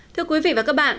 thưa quý vị và các bạn